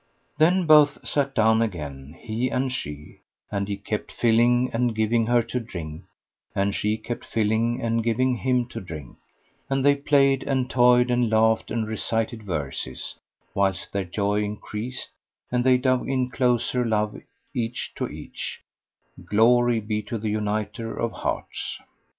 Then both sat down again, he and she, and he kept filling and giving her to drink, and she kept filling and giving him to drink, and they played and toyed and laughed and recited verses; whilst their joy increased and they clove in closer love each to each (glory be to the Uniter of Hearts!).